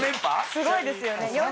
すごいですよね。